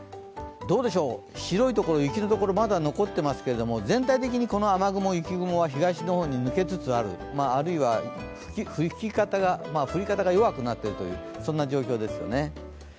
どうでしょう、白いところ雪のところ、まだ残っていますけど全体的に雨雲、雪雲は東の方に抜けつつあるあるいは降り方が弱くなっているという状況ですよね。